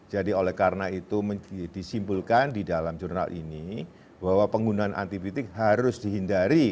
jadi oleh karena itu disimpulkan di dalam jurnal ini bahwa penggunaan antibiotik harus dihindari